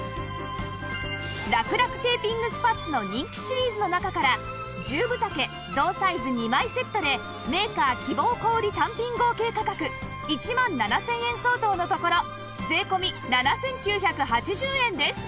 らくらくテーピングスパッツの人気シリーズの中から１０分丈同サイズ２枚セットでメーカー希望小売単品合計価格１万７０００円相当のところ税込７９８０円です